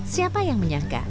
siapa yang menyangka